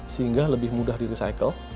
sehingga lebih mudah di recycle